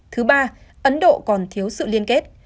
thứ ba ấn độ còn thiếu sự liên kết